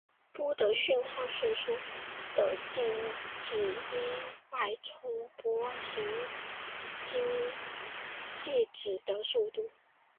波的讯号速度是指一脉冲波行经介质的速度。